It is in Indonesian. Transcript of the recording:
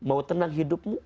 mau tenang hidupmu